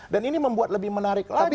dan ini membuat lebih menarik lagi